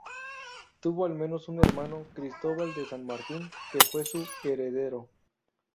Tuvo al menos un hermano, Cristóbal de San Martín, que fue su heredero.